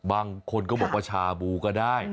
บางคนก็บอกว่าชาบูก็ได้